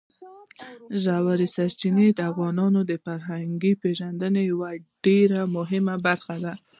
ژورې سرچینې د افغانانو د فرهنګي پیژندنې یوه ډېره مهمه برخه ده.